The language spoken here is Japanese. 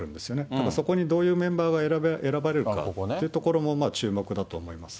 だからそこに、どういうメンバーが選ばれるかというところも、注目だと思います。